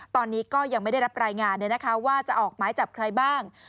ตอนนี้ก็ยังไม่ได้รับรายงานว่าจะออกหมายจับใครบ้าง